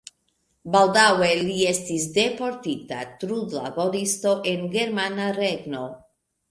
Baldaŭe li estis deportita trudlaboristo en Germana Regno.